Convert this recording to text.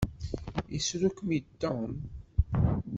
Isru-kem-id Tom?